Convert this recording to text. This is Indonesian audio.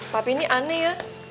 papi ini aneh ya